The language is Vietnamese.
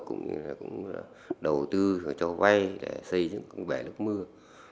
cũng như là đầu tư cho vay để xây những cái bể nước mưa